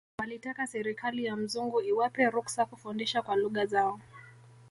Walitaka serikali ya mzungu iwape ruksa kufundisha kwa lugha zao